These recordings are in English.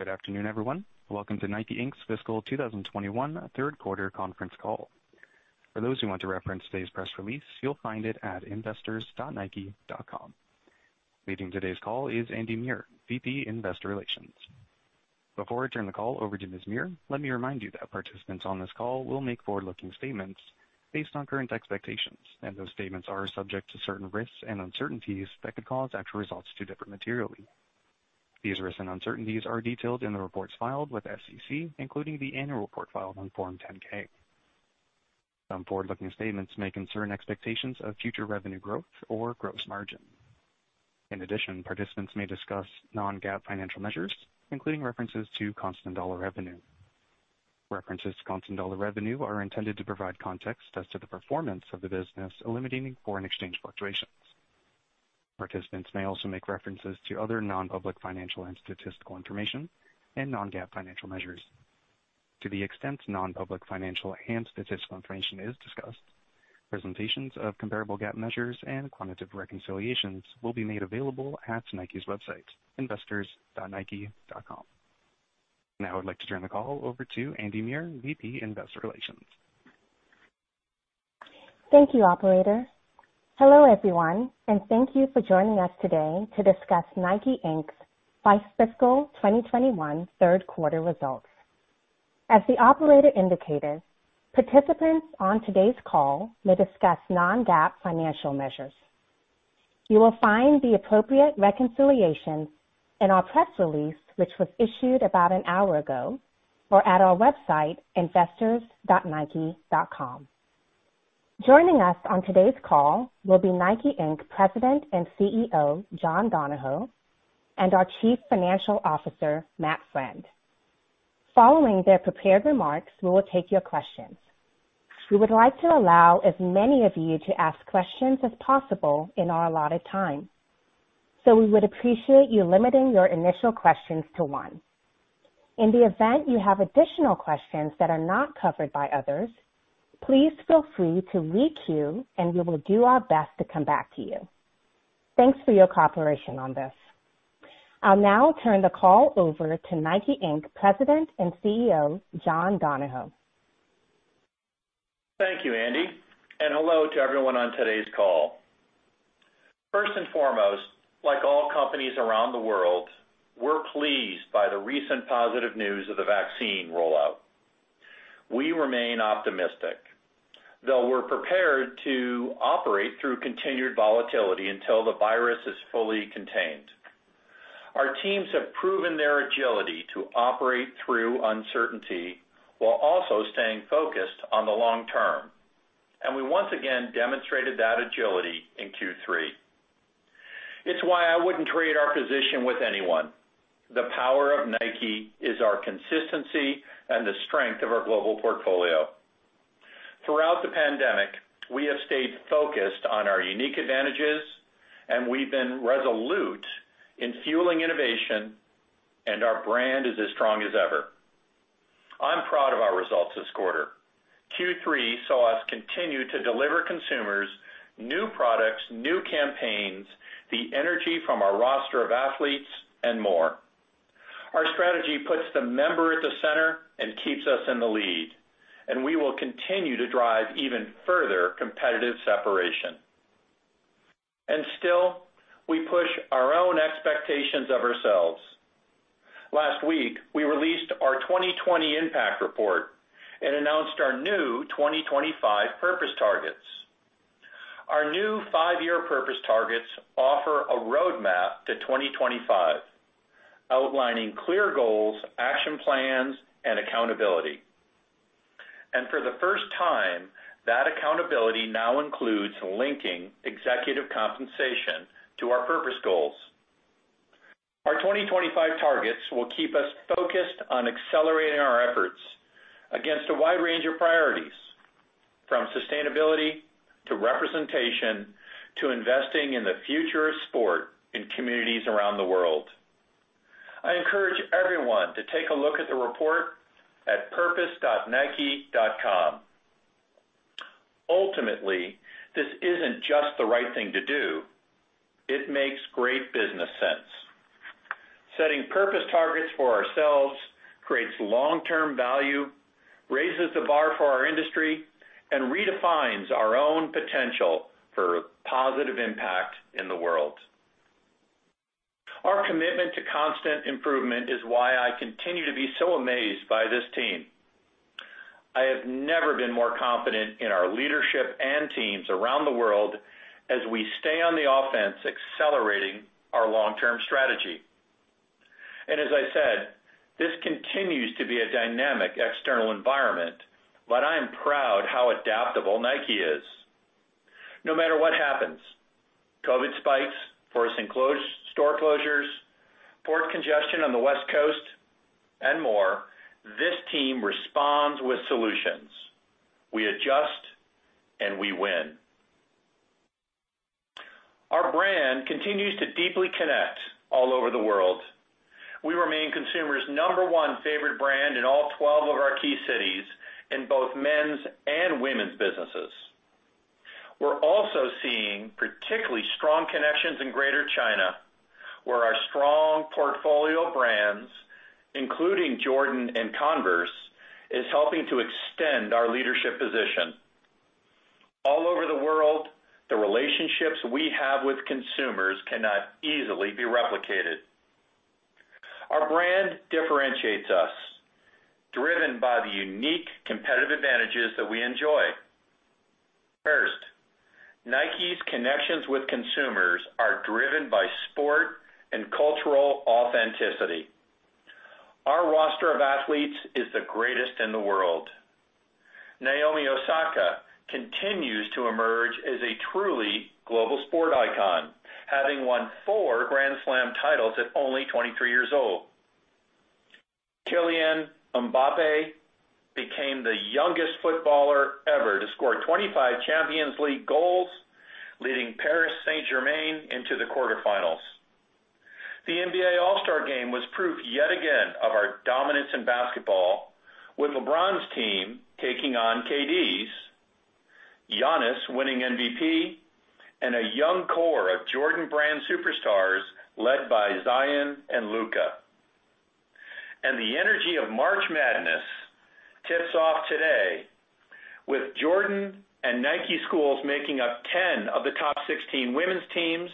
Good afternoon, everyone. Welcome to Nike Inc.'s fiscal 2021 Q3 conference call. For those who want to reference today's press release, you'll find it at investors.nike.com. Leading today's call is Andy Muir, VP Investor Relations. Before I turn the call over to Ms. Muir, let me remind you that participants on this call will make forward-looking statements based on current expectations, and those statements are subject to certain risks and uncertainties that could cause actual results to differ materially. These risks and uncertainties are detailed in the reports filed with the SEC, including the annual report filed on Form 10-K. Some forward-looking statements may concern expectations of future revenue growth or gross margin. In addition, participants may discuss non-GAAP financial measures, including references to constant dollar revenue. References to constant dollar revenue are intended to provide context as to the performance of the business, eliminating foreign exchange fluctuations. Participants may also make references to other non-public financial and statistical information and non-GAAP financial measures. To the extent non-public financial and statistical information is discussed, presentations of comparable GAAP measures and quantitative reconciliations will be made available at Nike's website, investors.nike.com. Now I'd like to turn the call over to Andy Muir, VP Investor Relations. Thank you, operator. Hello, everyone, and thank you for joining us today to discuss Nike Inc's fiscal 2021 Q3 results. As the operator indicated, participants on today's call may discuss non-GAAP financial measures. You will find the appropriate reconciliations in our press release, which was issued about an hour ago, or at our website, investors.nike.com. Joining us on today's call will be Nike Inc President and CEO, John Donahoe, and our Chief Financial Officer, Matt Friend. Following their prepared remarks, we will take your questions. We would like to allow as many of you to ask questions as possible in our allotted time, so we would appreciate you limiting your initial questions to one. In the event you have additional questions that are not covered by others, please feel free to re-queue, and we will do our best to come back to you. Thanks for your cooperation on this. I'll now turn the call over to Nike Inc President and CEO, John Donahoe. Thank you, Andy, and hello to everyone on today's call. First and foremost, like all companies around the world, we're pleased by the recent positive news of the vaccine rollout. We remain optimistic, though we're prepared to operate through continued volatility until the virus is fully contained. Our teams have proven their agility to operate through uncertainty while also staying focused on the long term, and we once again demonstrated that agility in Q3. It's why I wouldn't trade our position with anyone. The power of Nike is our consistency and the strength of our global portfolio. Throughout the pandemic, we have stayed focused on our unique advantages, and we've been resolute in fueling innovation and our brand is as strong as ever. I'm proud of our results this quarter. Q3 saw us continue to deliver consumers new products, new campaigns, the energy from our roster of athletes, and more. Our strategy puts the member at the center and keeps us in the lead, we will continue to drive even further competitive separation. Still, we push our own expectations of ourselves. Last week, we released our 2020 impact report and announced our new 2025 purpose targets. Our new five-year purpose targets offer a roadmap to 2025, outlining clear goals, action plans, and accountability. For the first time, that accountability now includes linking executive compensation to our purpose goals. Our 2025 targets will keep us focused on accelerating our efforts against a wide range of priorities, from sustainability to representation to investing in the future of sport in communities around the world. I encourage everyone to take a look at the report at purpose.nike.com. Ultimately, this isn't just the right thing to do, it makes great business sense. Setting purpose targets for ourselves creates long-term value, raises the bar for our industry, and redefines our own potential for positive impact in the world. Our commitment to constant improvement is why I continue to be so amazed by this team. I have never been more confident in our leadership and teams around the world as we stay on the offense accelerating our long-term strategy. As I said, this continues to be a dynamic external environment, but I am proud how adaptable Nike is. No matter what happens, COVID spikes, forced store closures, port congestion on the West Coast, and more, this team responds with solutions. We adjust and we win. Our brand continues to deeply connect all over the world. We remain consumers' number one favorite brand in all 12 of our key cities in both men's and women's businesses. We're also particularly strong connections in Greater China, where our strong portfolio of brands, including Jordan and Converse, is helping to extend our leadership position. All over the world, the relationships we have with consumers cannot easily be replicated. Our brand differentiates us, driven by the unique competitive advantages that we enjoy. First, Nike's connections with consumers are driven by sport and cultural authenticity. Our roster of athletes is the greatest in the world. Naomi Osaka continues to emerge as a truly global sport icon, having won four Grand Slam titles at only 23 years old. Kylian Mbappé became the youngest footballer ever to score 25 Champions League goals, leading Paris Saint-Germain into the quarterfinals. The NBA All-Star Game was proof, yet again, of our dominance in basketball, with LeBron's team taking on KD's, Giannis winning MVP, and a young core of Jordan Brand superstars led by Zion and Luka. The energy of March Madness tips off today with Jordan and Nike schools making up 10 of the top 16 women's teams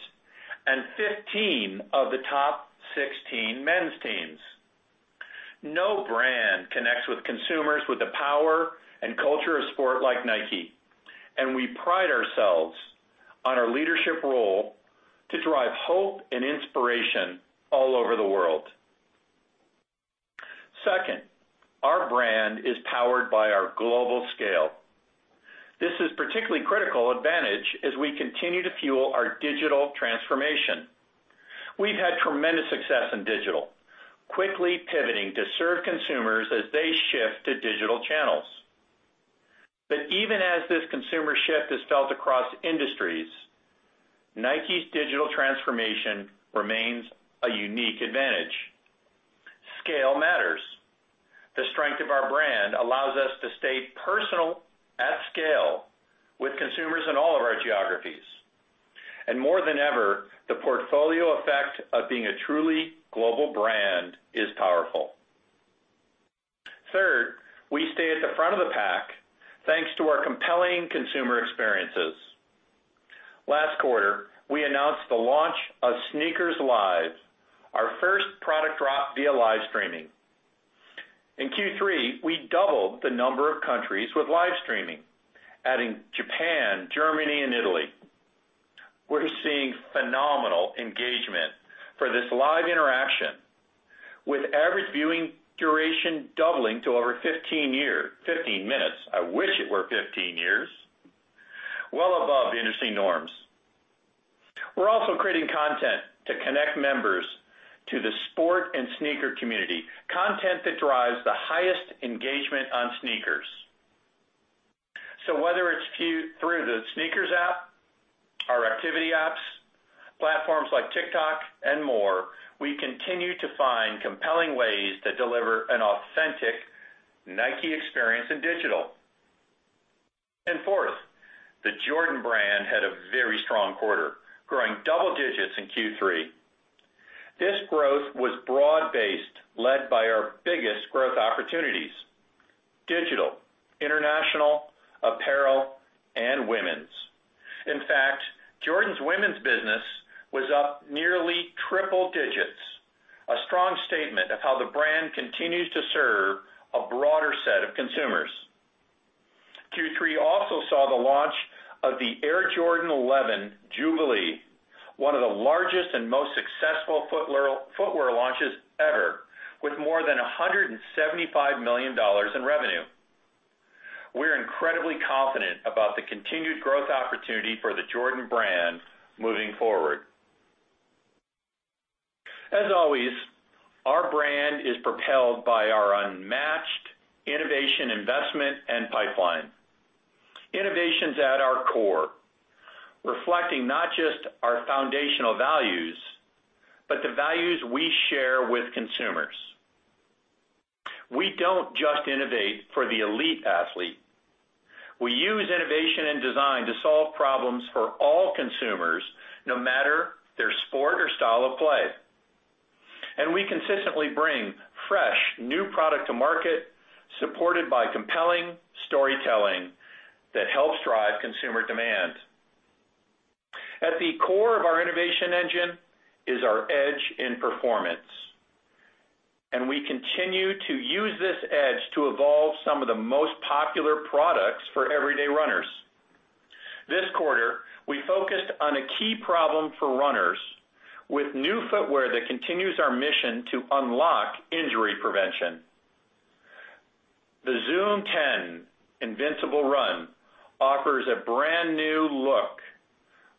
and 15 of the top 16 men's teams. No brand connects with consumers with the power and culture of sport like Nike, and we pride ourselves on our leadership role to drive hope and inspiration all over the world. Second, our brand is powered by our global scale. This is particularly critical advantage as we continue to fuel our digital transformation. We've had tremendous success in digital, quickly pivoting to serve consumers as they shift to digital channels. Even as this consumer shift is felt across industries, Nike's digital transformation remains a unique advantage. Scale matters. The strength of our brand allows us to stay personal at scale with consumers in all of our geographies. More than ever, the portfolio effect of being a truly global brand is powerful. Third, we stay at the front of the pack thanks to our compelling consumer experiences. Last quarter, we announced the launch of SNKRS Live, our first product drop via live streaming. In Q3, we doubled the number of countries with live streaming, adding Japan, Germany, and Italy. We're seeing phenomenal engagement for this live interaction with average viewing duration doubling to over 15 years, 15 minutes. I wish it were 15 years. Well above the industry norms. We're also creating content to connect members to the sport and sneaker community, content that drives the highest engagement on SNKRS. Whether it's through the SNKRS app, our activity apps, platforms like TikTok, and more, we continue to find compelling ways to deliver an authentic Nike experience in digital. Fourth, the Jordan Brand had a very strong quarter, growing double digits in Q3. This growth was broad-based, led by our biggest growth opportunities, digital, international, apparel, and women's. In fact, Jordan's women's business was up nearly triple digits, a strong statement of how the brand continues to serve a broader set of consumers. Q3 also saw the launch of the Air Jordan 11 Jubilee, one of the largest and most successful footwear launches ever with more than $175 million in revenue. We're incredibly confident about the continued growth opportunity for the Jordan Brand moving forward. As always, our brand is propelled by our unmatched innovation investment and pipeline. Innovation's at our core, reflecting not just our foundational values, but the values we share with consumers. We don't just innovate for the elite athlete. We use innovation and design to solve problems for all consumers, no matter their sport or style of play. We consistently bring fresh, new product to market supported by compelling storytelling that helps drive consumer demand. At the core of our innovation engine is our edge in performance, and we continue to use this edge to evolve some of the most popular products for everyday runners. This quarter, we focused on a key problem for runners with new footwear that continues our mission to unlock injury prevention. The ZoomX Invincible Run offers a brand-new look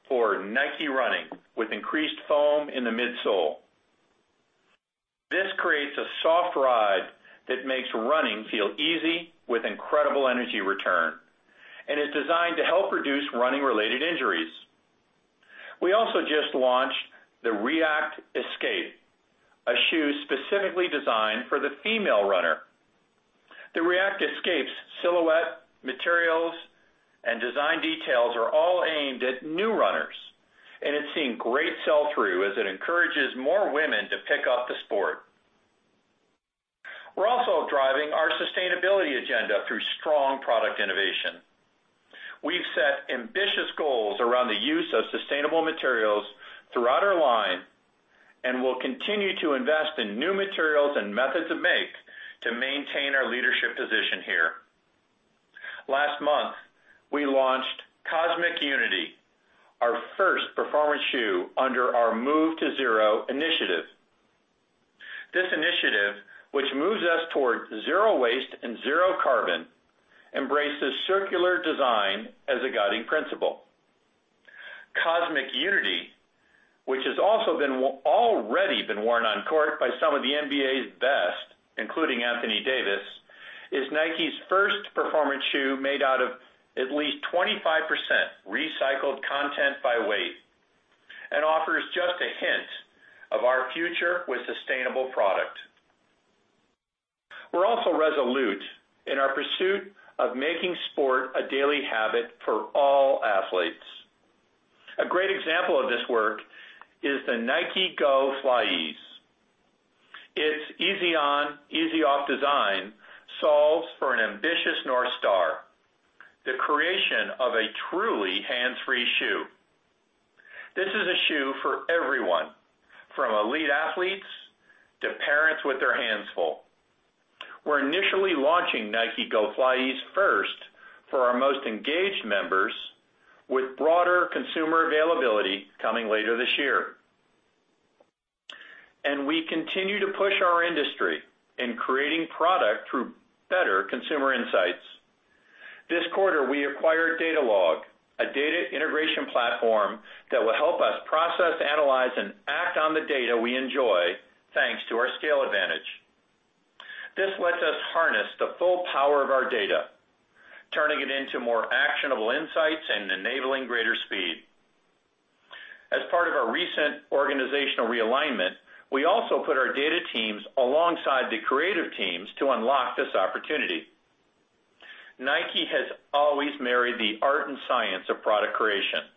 for Nike Running with increased foam in the midsole. This creates a soft ride that makes running feel easy with incredible energy return and is designed to help reduce running-related injuries. We also just launched the React Escape Run, a shoe specifically designed for the female runner. The React Escape Run silhouette materials and design details are all aimed at new runners, and it's seeing great sell-through as it encourages more women to pick up the sport. We're also driving our sustainability agenda through strong product innovation. We've set ambitious goals around the use of sustainable materials throughout our line, and we'll continue to invest in new materials and methods of make to maintain our leadership position here. Last month, we launched Cosmic Unity, our first performance shoe under our Move to Zero initiative. This initiative, which moves us toward zero waste and zero carbon, embraces circular design as a guiding principle. Cosmic Unity, which has also already been worn on court by some of the NBA's best, including Anthony Davis, is Nike's first performance shoe made out of at least 25% recycled content by weight and offers just a hint of our future with sustainable product. We're also resolute in our pursuit of making sport a daily habit for all athletes. A great example of this work is the Nike GO FlyEase. Its easy on, easy off design solves for an ambitious North Star, the creation of a truly hands-free shoe. This is a shoe for everyone, from elite athletes to parents with their hands full. We're initially launching Nike GO FlyEase first for our most engaged members with broader consumer availability coming later this year. We continue to push our industry in creating product through better consumer insights. This quarter, we acquired Datalogue, a data integration platform that will help us process, analyze, and act on the data we enjoy, thanks to our scale advantage. This lets us harness the full power of our data, turning it into more actionable insights and enabling greater speed. As part of our recent organizational realignment, we also put our data teams alongside the creative teams to unlock this opportunity. Nike has always married the art and science of product creation.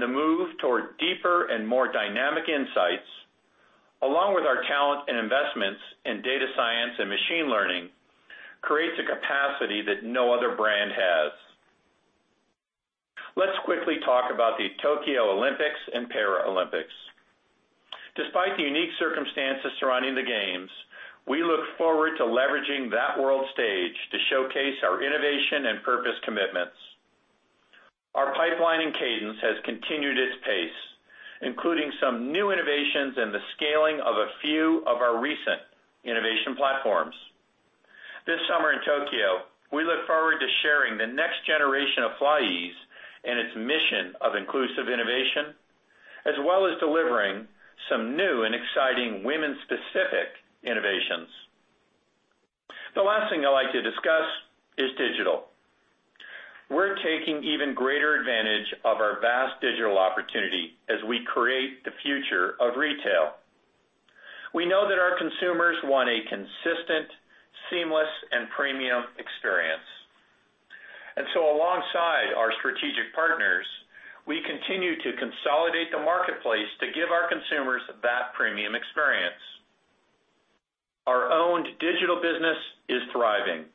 The move toward deeper and more dynamic insights, along with our talent and investments in data science and machine learning, creates a capacity that no other brand has. Let's quickly talk about the Tokyo Olympics and Paralympics. Despite the unique circumstances surrounding the games, we look forward to leveraging that world stage to showcase our innovation and purpose commitments. Our pipeline and cadence has continued its pace, including some new innovations and the scaling of a few of our recent innovation platforms. This summer in Tokyo, we look forward to sharing the next generation of FlyEase and its mission of inclusive innovation, as well as delivering some new and exciting women's specific innovations. The last thing I'd like to discuss is digital. We're taking even greater advantage of our vast digital opportunity as we create the future of retail. We know that our consumers want a consistent, seamless, and premium experience. Alongside our strategic partners, we continue to consolidate the marketplace to give our consumers that premium experience. Our owned digital business is thriving,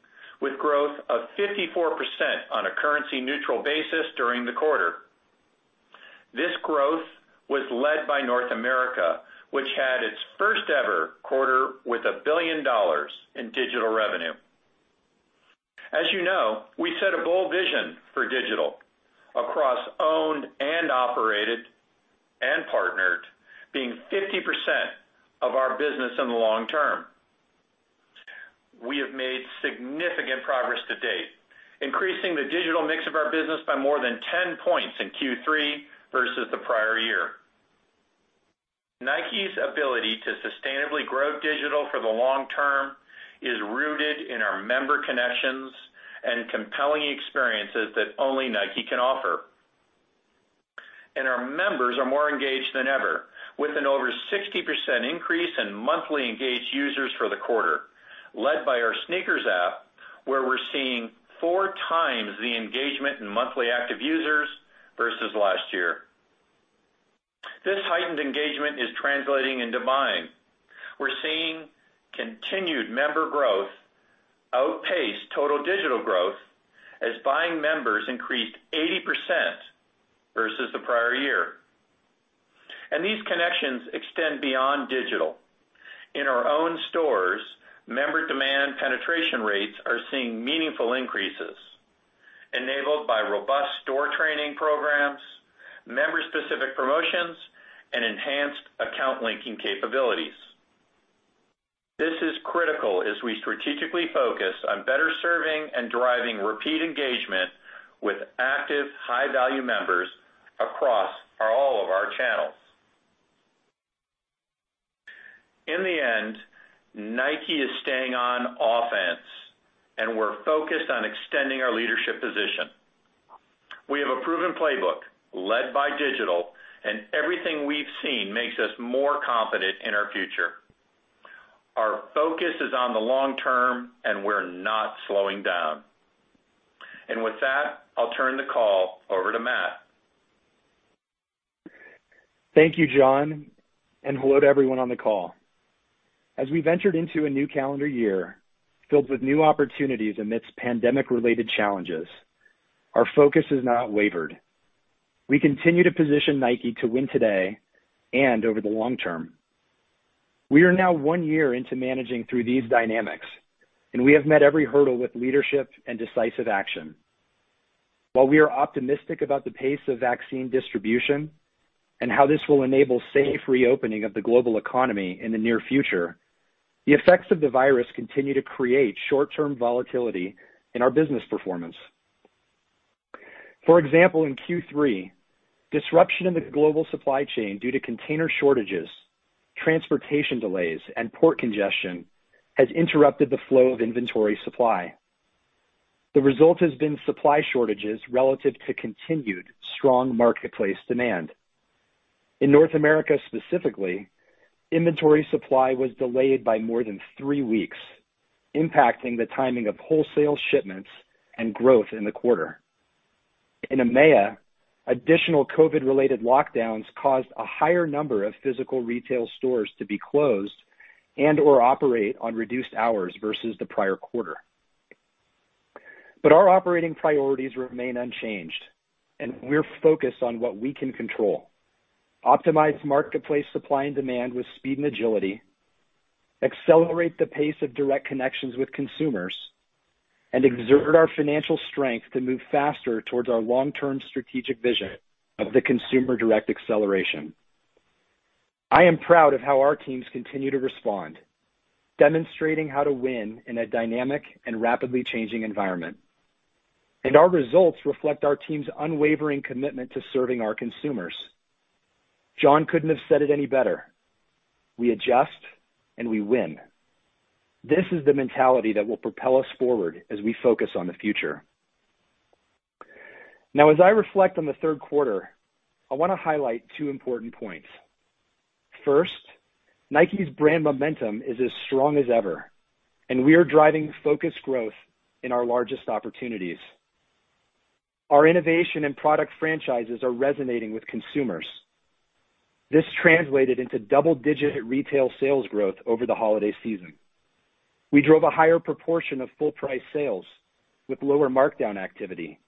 with growth of 54% on a currency neutral basis during the quarter. This growth was led by North America, which had its first ever quarter with $1 billion in digital revenue. As you know, we set a bold vision for digital across owned and operated and partnered, being 50% of our business in the long term. We have made significant progress to date, increasing the digital mix of our business by more than 10 points in Q3 versus the prior year. Nike's ability to sustainably grow digital for the long term is rooted in our member connections and compelling experiences that only Nike can offer. Our members are more engaged than ever with an over 60% increase in monthly engaged users for the quarter, led by our SNKRS app, where we're seeing 4x the engagement in monthly active users versus last year. This heightened engagement is translating into buying. We're seeing continued member growth outpace total digital growth as buying members increased 80% versus the prior year. These connections extend beyond digital. In our own stores, member demand penetration rates are seeing meaningful increases enabled by robust store training programs, member specific promotions, and enhanced account linking capabilities. This is critical as we strategically focus on better serving and driving repeat engagement with active high-value members across all of our channels. In the end, Nike is staying on offense, we're focused on extending our leadership position. We have a proven playbook, led by digital, and everything we've seen makes us more confident in our future. Our focus is on the long term, we're not slowing down. With that, I'll turn the call over to Matt. Thank you, John. Hello to everyone on the call. As we ventured into a new calendar year filled with new opportunities amidst pandemic-related challenges, our focus has not wavered. We continue to position Nike to win today and over the long term. We are now one year into managing through these dynamics. We have met every hurdle with leadership and decisive action. While we are optimistic about the pace of vaccine distribution and how this will enable safe reopening of the global economy in the near future, the effects of the virus continue to create short-term volatility in our business performance. For example, in Q3, disruption in the global supply chain due to container shortages, transportation delays, and port congestion has interrupted the flow of inventory supply. The result has been supply shortages relative to continued strong marketplace demand. In North America, specifically, inventory supply was delayed by more than three weeks, impacting the timing of wholesale shipments and growth in the quarter. In EMEA, additional COVID-related lockdowns caused a higher number of physical retail stores to be closed and/or operate on reduced hours versus the prior quarter. Our operating priorities remain unchanged, and we're focused on what we can control. Optimize marketplace supply and demand with speed and agility, accelerate the pace of direct connections with consumers, and exert our financial strength to move faster towards our long-term strategic vision of the Consumer Direct Acceleration. I am proud of how our teams continue to respond, demonstrating how to win in a dynamic and rapidly changing environment. Our results reflect our team's unwavering commitment to serving our consumers. John couldn't have said it any better. We adjust, and we win. This is the mentality that will propel us forward as we focus on the future. Now, as I reflect on the Q3, I want to highlight two important points. First, Nike's brand momentum is as strong as ever, and we are driving focused growth in our largest opportunities. Our innovation and product franchises are resonating with consumers. This translated into double-digit retail sales growth over the holiday season. We drove a higher proportion of full-price sales with lower markdown activity,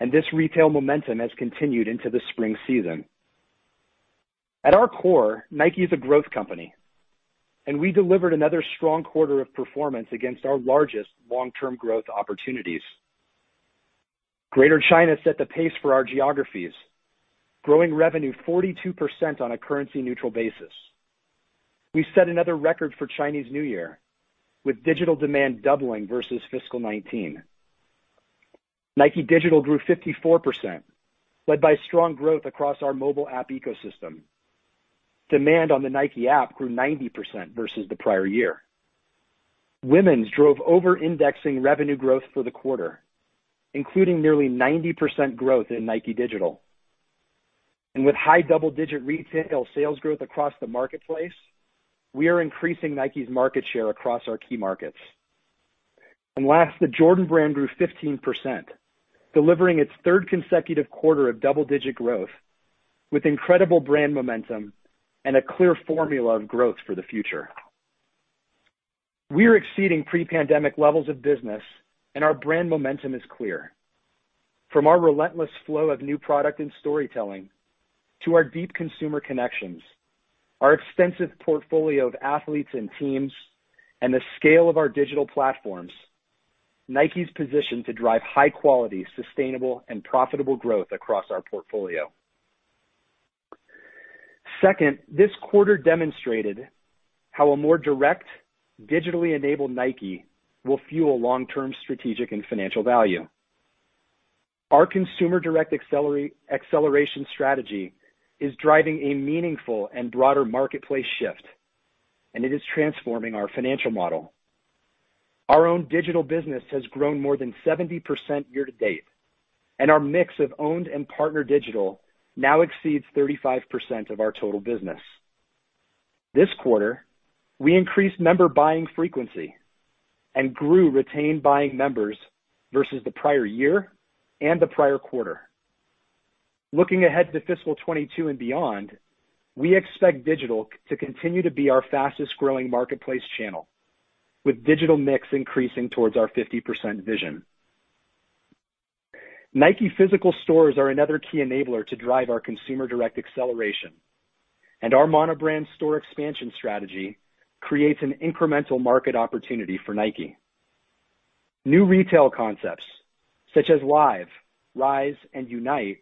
and this retail momentum has continued into the spring season. At our core, Nike is a growth company, and we delivered another strong quarter of performance against our largest long-term growth opportunities. Greater China set the pace for our geographies, growing revenue 42% on a currency-neutral basis. We set another record for Chinese New Year, with digital demand doubling versus fiscal 2019. Nike Digital grew 54%, led by strong growth across our mobile app ecosystem. Demand on the Nike App grew 90% versus the prior year. Women's drove over-indexing revenue growth for the quarter, including nearly 90% growth in Nike Digital. With high double-digit retail sales growth across the marketplace, we are increasing Nike's market share across our key markets. Last, the Jordan Brand grew 15%, delivering its third consecutive quarter of double-digit growth with incredible brand momentum and a clear formula of growth for the future. We're exceeding pre-pandemic levels of business, and our brand momentum is clear. From our relentless flow of new product and storytelling to our deep consumer connections, our extensive portfolio of athletes and teams, and the scale of our digital platforms, Nike's positioned to drive high-quality, sustainable, and profitable growth across our portfolio. Second, this quarter demonstrated how a more direct, digitally enabled Nike will fuel long-term strategic and financial value. Our Consumer Direct Acceleration strategy is driving a meaningful and broader marketplace shift, and it is transforming our financial model. Our own digital business has grown more than 70% year-to-date, and our mix of owned and partner digital now exceeds 35% of our total business. This quarter, we increased member buying frequency and grew retained buying members versus the prior year and the prior quarter. Looking ahead to fiscal 2022 and beyond, we expect digital to continue to be our fastest-growing marketplace channel, with digital mix increasing towards our 50% vision. Nike physical stores are another key enabler to drive our Consumer Direct Acceleration, and our mono-brand store expansion strategy creates an incremental market opportunity for Nike. New retail concepts such as Live, Rise, and Unite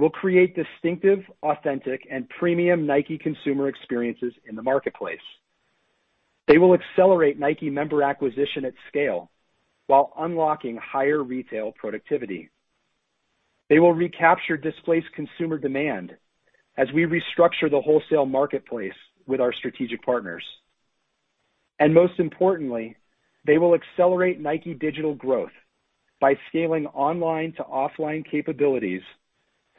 will create distinctive, authentic, and premium Nike consumer experiences in the marketplace. They will accelerate Nike member acquisition at scale while unlocking higher retail productivity. They will recapture displaced consumer demand as we restructure the wholesale marketplace with our strategic partners. Most importantly, they will accelerate Nike digital growth by scaling online to offline capabilities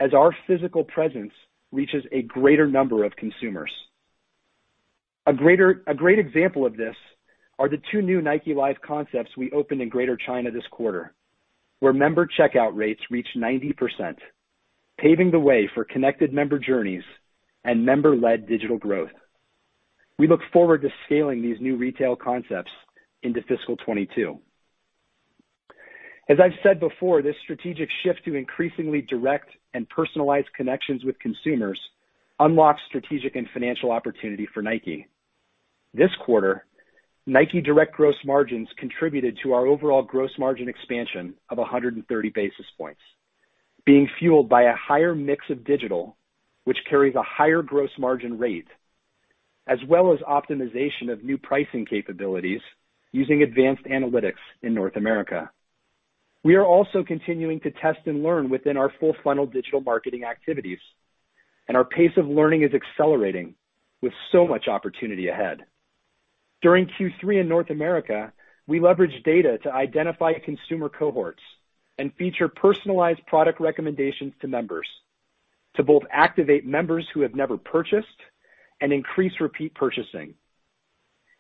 as our physical presence reaches a greater number of consumers. A great example of this are the two new Nike Live concepts we opened in Greater China this quarter, where member checkout rates reach 90%, paving the way for connected member journeys and member-led digital growth. We look forward to scaling these new retail concepts into fiscal 2022. As I've said before, this strategic shift to increasingly direct and personalized connections with consumers unlocks strategic and financial opportunity for Nike. This quarter, Nike Direct gross margins contributed to our overall gross margin expansion of 130 basis points, being fueled by a higher mix of digital, which carries a higher gross margin rate, as well as optimization of new pricing capabilities using advanced analytics in North America. We are also continuing to test and learn within our full funnel digital marketing activities, and our pace of learning is accelerating with so much opportunity ahead. During Q3 in North America, we leveraged data to identify consumer cohorts and feature personalized product recommendations to members to both activate members who have never purchased and increase repeat purchasing.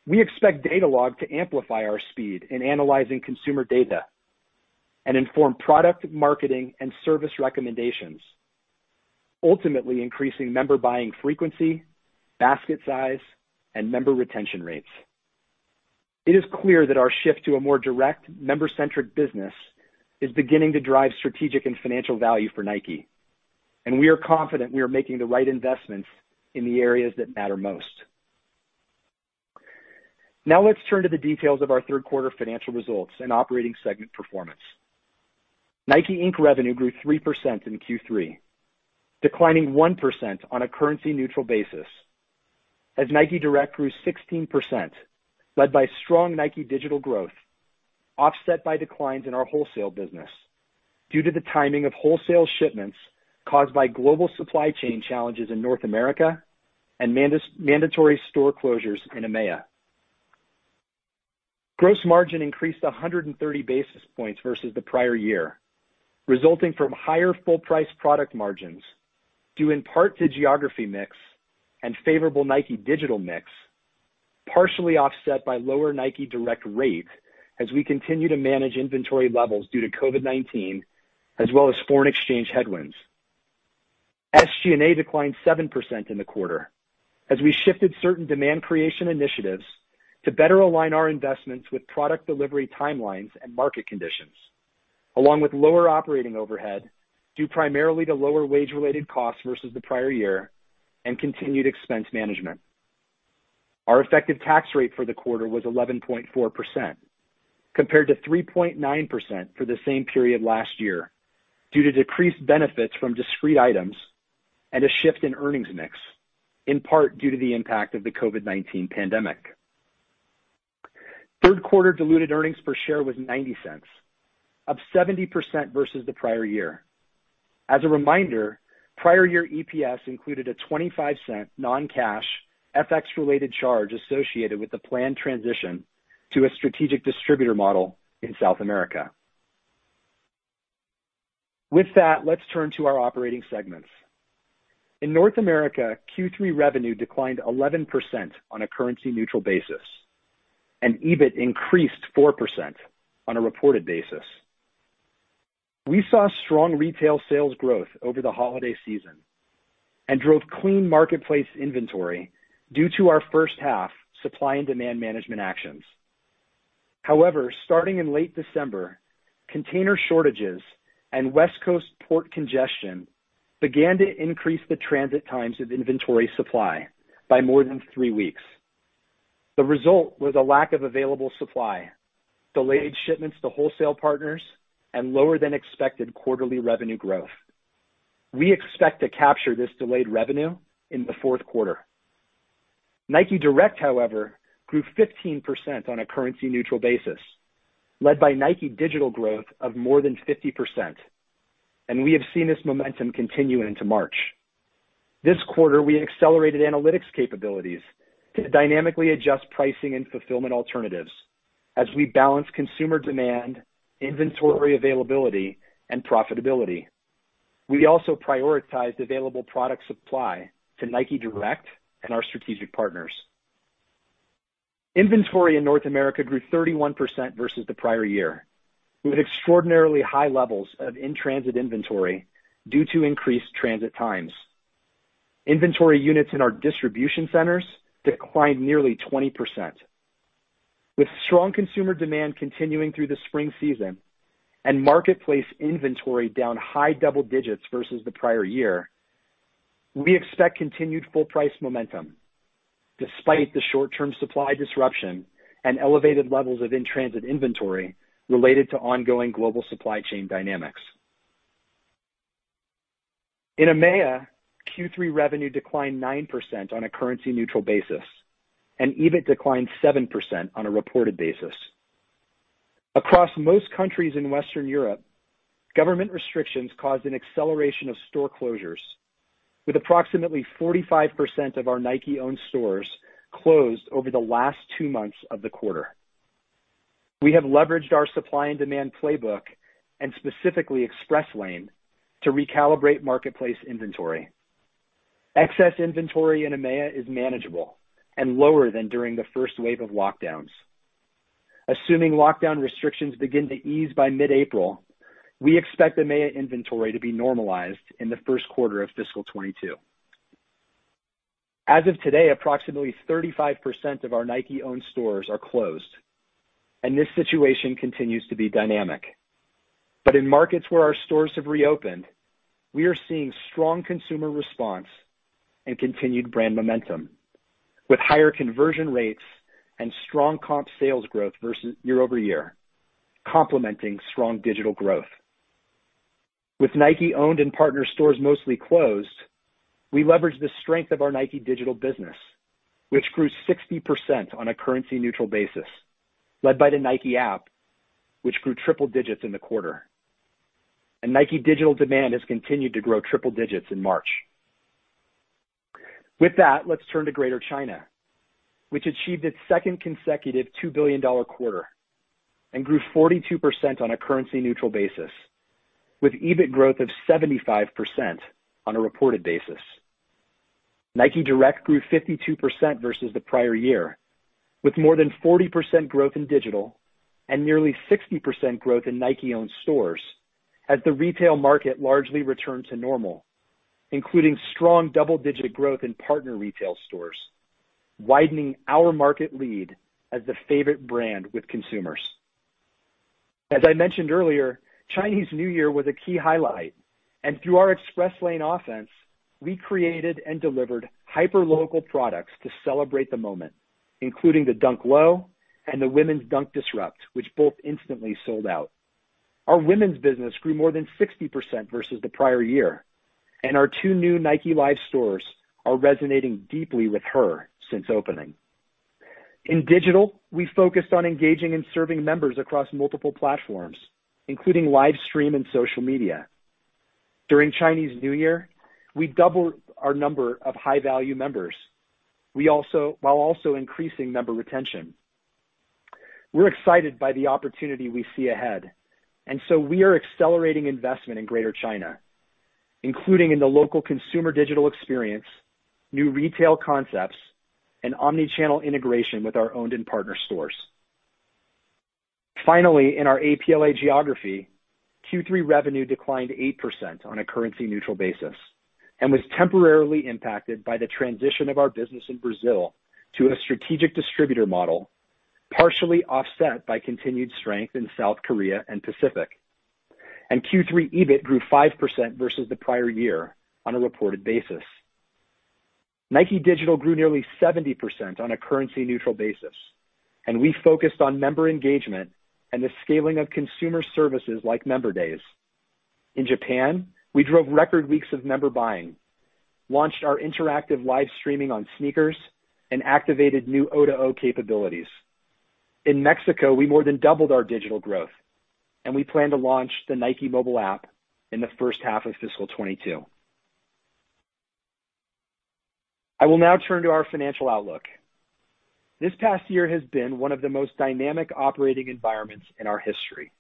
We expect Datalogue to amplify our speed in analyzing consumer data and inform product marketing and service recommendations, ultimately increasing member buying frequency, basket size, and member retention rates. It is clear that our shift to a more direct, member-centric business is beginning to drive strategic and financial value for Nike, and we are confident we are making the right investments in the areas that matter most. Now let's turn to the details of our Q3 financial results and operating segment performance. Nike Inc. revenue grew 3% in Q3, declining 1% on a currency-neutral basis, as Nike Direct grew 16%, led by strong Nike Digital growth, offset by declines in our wholesale business due to the timing of wholesale shipments caused by global supply chain challenges in North America and mandatory store closures in EMEA. Gross margin increased 130 basis points versus the prior year, resulting from higher full price product margins due in part to geography mix and favorable Nike Digital mix, partially offset by lower Nike Direct rate as we continue to manage inventory levels due to COVID-19, as well as foreign exchange headwinds. SG&A declined 7% in the quarter as we shifted certain demand creation initiatives to better align our investments with product delivery timelines and market conditions, along with lower operating overhead, due primarily to lower wage-related costs versus the prior year and continued expense management. Our effective tax rate for the quarter was 11.4%, compared to 3.9% for the same period last year due to decreased benefits from discrete items and a shift in earnings mix, in part due to the impact of the COVID-19 pandemic. Q3 diluted EPS was $0.90, up 70% versus the prior year. As a reminder, prior year EPS included a $0.25 non-cash FX related charge associated with the planned transition to a strategic distributor model in South America. With that, let's turn to our operating segments. In North America, Q3 revenue declined 11% on a currency neutral basis, and EBIT increased 4% on a reported basis. We saw strong retail sales growth over the holiday season and drove clean marketplace inventory due to our H1 supply and demand management actions. However, starting in late December, container shortages and West Coast port congestion began to increase the transit times of inventory supply by more than three weeks. The result was a lack of available supply, delayed shipments to wholesale partners, and lower than expected quarterly revenue growth. We expect to capture this delayed revenue in the Q4. Nike Direct, however, grew 15% on a currency neutral basis, led by Nike digital growth of more than 50%, and we have seen this momentum continue into March. This quarter, we accelerated analytics capabilities to dynamically adjust pricing and fulfillment alternatives as we balance consumer demand, inventory availability, and profitability. We also prioritized available product supply to Nike Direct and our strategic partners. Inventory in North America grew 31% versus the prior year, with extraordinarily high levels of in-transit inventory due to increased transit times. Inventory units in our distribution centers declined nearly 20%. With strong consumer demand continuing through the spring season and marketplace inventory down high double digits versus the prior year, we expect continued full price momentum despite the short-term supply disruption and elevated levels of in-transit inventory related to ongoing global supply chain dynamics. In EMEA, Q3 revenue declined 9% on a currency neutral basis. EBIT declined 7% on a reported basis. Across most countries in Western Europe, government restrictions caused an acceleration of store closures with approximately 45% of our Nike-owned stores closed over the last two months of the quarter. We have leveraged our supply and demand playbook and specifically Express Lane to recalibrate marketplace inventory. Excess inventory in EMEA is manageable and lower than during the first wave of lockdowns. Assuming lockdown restrictions begin to ease by mid-April, we expect EMEA inventory to be normalized in the Q1 of fiscal 2022. As of today, approximately 35% of our Nike-owned stores are closed, and this situation continues to be dynamic. In markets where our stores have reopened, we are seeing strong consumer response and continued brand momentum with higher conversion rates and strong comp sales growth year-over-year, complementing strong digital growth. With Nike owned and partner stores mostly closed, we leverage the strength of our Nike Digital business, which grew 60% on a currency neutral basis, led by the Nike App, which grew triple digits in the quarter. Nike Digital demand has continued to grow triple digits in March. Greater China achieved its second consecutive $2 billion quarter and grew 42% on a currency neutral basis, with EBIT growth of 75% on a reported basis. Nike Direct grew 52% versus the prior year, with more than 40% growth in digital and nearly 60% growth in Nike-owned stores as the retail market largely returned to normal, including strong double-digit growth in partner retail stores, widening our market lead as the favorite brand with consumers. As I mentioned earlier, Chinese New Year was a key highlight, and through our Express Lane offense, we created and delivered hyper-local products to celebrate the moment, including the Dunk Low and the Women's Dunk Disrupt, which both instantly sold out. Our women's business grew more than 60% versus the prior year, and our two new Nike Live stores are resonating deeply with her since opening. In digital, we focused on engaging and serving members across multiple platforms, including live stream and social media. During Chinese New Year, we doubled our number of high-value members, while also increasing member retention. We're excited by the opportunity we see ahead, and so we are accelerating investment in Greater China, including in the local consumer digital experience, new retail concepts, and omni-channel integration with our owned and partner stores. Finally, in our APLA geography, Q3 revenue declined 8% on a currency neutral basis and was temporarily impacted by the transition of our business in Brazil to a strategic distributor model, partially offset by continued strength in South Korea and Pacific. Q3 EBIT grew 5% versus the prior year on a reported basis. Nike Digital grew nearly 70% on a currency neutral basis, and we focused on member engagement and the scaling of consumer services like Member Days. In Japan, we drove record weeks of member buying, launched our interactive live streaming on SNKRS, and activated new O2O capabilities. In Mexico, we more than doubled our digital growth. We plan to launch the Nike App in H1 of fiscal 2022. I will now turn to our financial outlook. This past year has been one of the most dynamic operating environments in our history.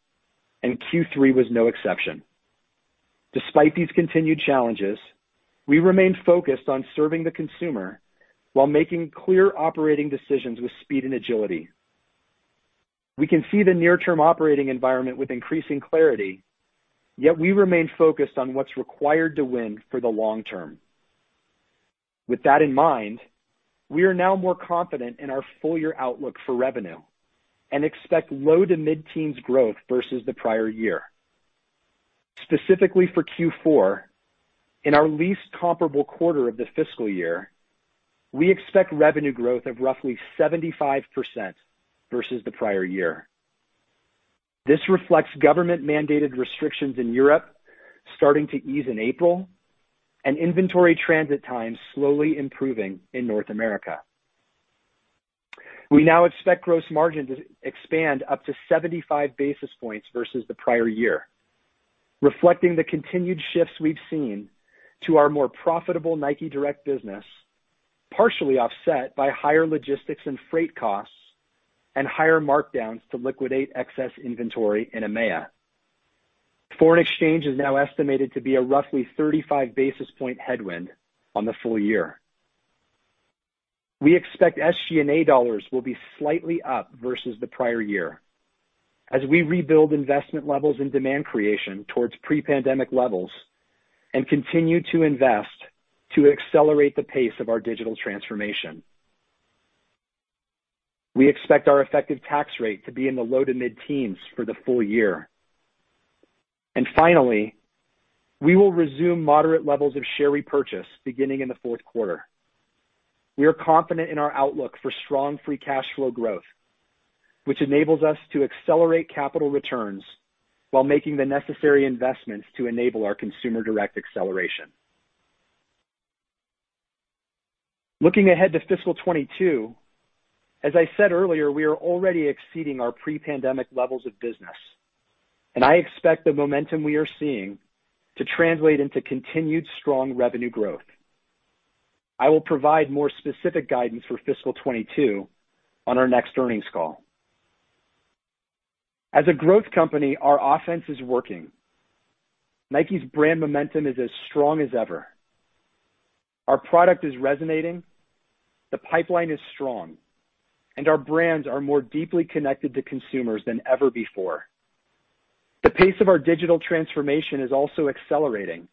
Q3 was no exception. Despite these continued challenges, we remain focused on serving the consumer while making clear operating decisions with speed and agility. We can see the near term operating environment with increasing clarity. We remain focused on what's required to win for the long term. With that in mind, we are now more confident in our full year outlook for revenue. We expect low to mid-teens growth versus the prior year. Specifically for Q4, in our least comparable quarter of the fiscal year, we expect revenue growth of roughly 75% versus the prior year. This reflects government-mandated restrictions in Europe starting to ease in April and inventory transit times slowly improving in North America. We now expect gross margin to expand up to 75 basis points versus the prior year, reflecting the continued shifts we've seen to our more profitable Nike Direct business, partially offset by higher logistics and freight costs and higher markdowns to liquidate excess inventory in EMEA. Foreign exchange is now estimated to be a roughly 35 basis point headwind on the full year. We expect SG&A dollars will be slightly up versus the prior year as we rebuild investment levels and demand creation towards pre-pandemic levels and continue to invest to accelerate the pace of our digital transformation. We expect our effective tax rate to be in the low to mid-teens for the full year. Finally, we will resume moderate levels of share repurchase beginning in the Q4. We are confident in our outlook for strong free cash flow growth, which enables us to accelerate capital returns while making the necessary investments to enable our Consumer Direct Acceleration. Looking ahead to fiscal 2022, as I said earlier, we are already exceeding our pre-pandemic levels of business, and I expect the momentum we are seeing to translate into continued strong revenue growth. I will provide more specific guidance for fiscal 2022 on our next earnings call. As a growth company, our offense is working. Nike's brand momentum is as strong as ever. Our product is resonating. The pipeline is strong. Our brands are more deeply connected to consumers than ever before. The pace of our digital transformation is also accelerating,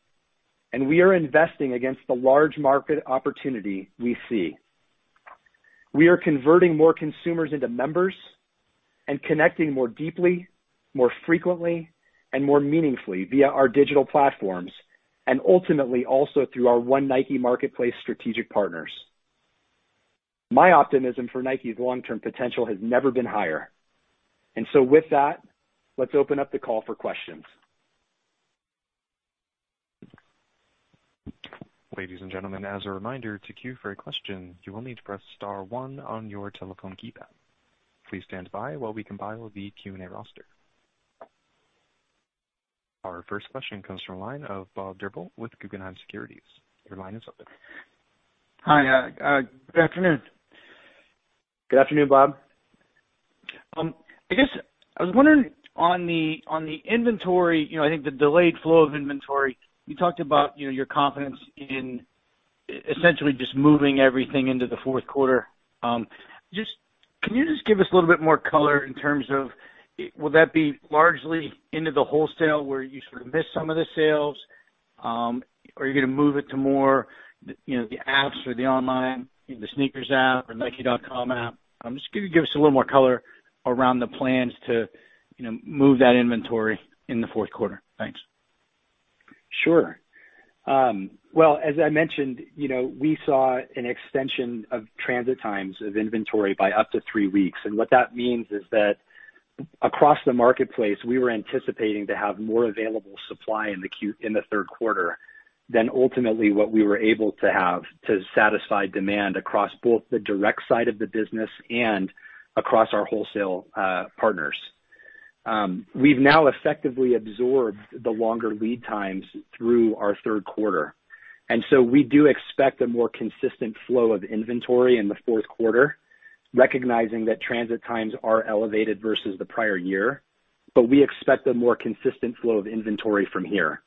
and we are investing against the large market opportunity we see. We are converting more consumers into members and connecting more deeply, more frequently, and more meaningfully via our digital platforms, ultimately, also through our One Nike Marketplace strategic partners. My optimism for Nike's long-term potential has never been higher. With that, let's open up the call for questions. Ladies and gentlemen, as a reminder, to queue for a question, you will need to press star one on your telephone keypad. Please stand by while we compile the Q&A roster. Our first question comes from the line of Bob Drbul with Guggenheim Securities. Your line is open. Hi. Good afternoon. Good afternoon, Bob. I guess I was wondering on the inventory, I think the delayed flow of inventory, you talked about your confidence in essentially just moving everything into the Q4. Can you just give us a little bit more color in terms of, will that be largely into the wholesale where you sort of miss some of the sales? Are you going to move it to more, the apps or the online, the SNKRS app or nike.com app? Just give us a little more color around the plans to move that inventory in the Q4. Thanks. Sure. Well, as I mentioned, we saw an extension of transit times of inventory by up to three weeks. What that means is that across the marketplace, we were anticipating to have more available supply in Q3 than ultimately what we were able to have to satisfy demand across both the direct side of the business and across our wholesale partners. We've now effectively absorbed the longer lead times through our Q3. We do expect a more consistent flow of inventory in the Q4, recognizing that transit times are elevated versus the prior year. We expect a more consistent flow of inventory from here.